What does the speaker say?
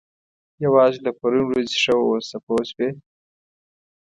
یوازې له پرون ورځې ښه واوسه پوه شوې!.